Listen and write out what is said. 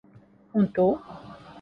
Un tu?